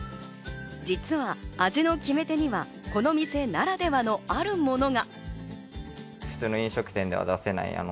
実は味の決め手には、この店ならではのあるものが。